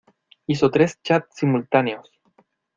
¡Hizo tres chats simultáneos!